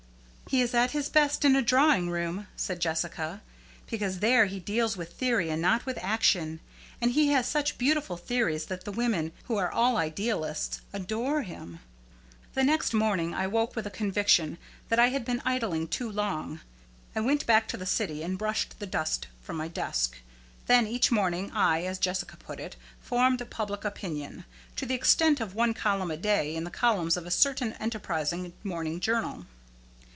"He is at his best in a drawing room," said Jessica, "because there he deals with theory and not with action. And he has such beautiful theories that the women, who are all idealists, adore him." The next morning I awoke with a conviction that I had been idling too long. I went back to the city and brushed the dust from my desk. Then each morning, I, as Jessica put it, "formed public opinion" to the extent of one column a day in the columns of a certain enterprising morning journal.